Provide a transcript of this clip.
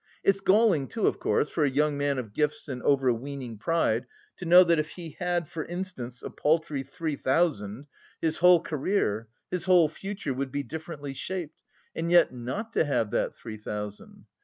It's galling too, of course, for a young man of gifts and overweening pride to know that if he had, for instance, a paltry three thousand, his whole career, his whole future would be differently shaped and yet not to have that three thousand.